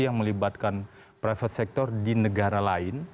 yang melibatkan private sector di negara lain